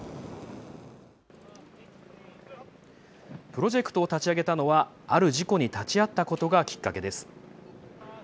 プロジェクトを立ち上げたのはある事故に立ち会ったことがきっかけです。